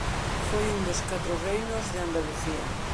Foi un dos catro reinos de Andalucía.